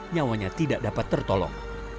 nyawanya tidak dapat tertolong